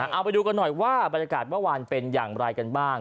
เอาไปดูกันหน่อยว่าบรรยากาศเมื่อวานเป็นอย่างไรกันบ้าง